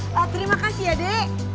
wah terima kasih ya dek